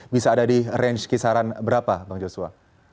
bisa ada di range kisaran berapa bang joshua